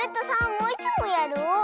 もういちもんやろう！